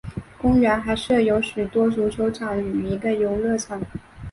公园还设有许多足球场与一个游乐场。